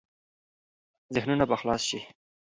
ذهنونه به خلاص شي.